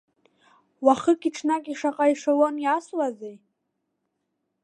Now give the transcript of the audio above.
Уахыки-ҽнаки шаҟа ешалон иасуазеи?